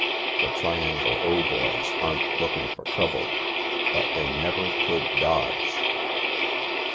"The Triangle O boys aren't lookin' for trouble, but they never could dodge."